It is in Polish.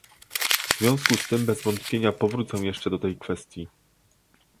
W związku z tym bez wątpienia powrócę jeszcze do tej kwestii